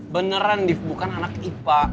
beneran div bukan anak ipa